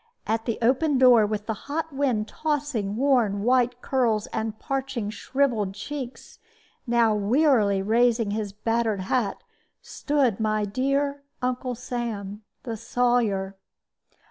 At the open door, with the hot wind tossing worn white curls and parching shriveled cheeks, now wearily raising his battered hat, stood my dear Uncle Sam, the Sawyer.